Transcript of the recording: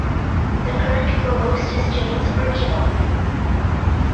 The current Provost is James Archibong.